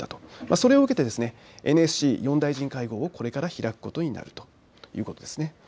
それを受けてＮＳＣ４大臣会合をこれから開くことになるということです。